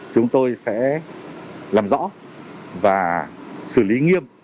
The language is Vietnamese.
chúng tôi sẽ làm rõ và xử lý nghiêm